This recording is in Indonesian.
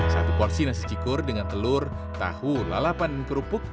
satu porsi nasi cikur dengan telur tahu lalapan dan kerupuk